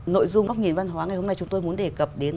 nội dung góc nhìn văn hóa ngày hôm nay chúng tôi muốn đề cập đến